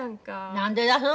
何でだす？